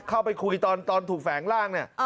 เข้าไปคุยตอนถูกแฝงร่างเนี่ย